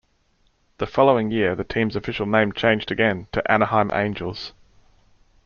The following year, the team's official name changed again to "Anaheim Angels".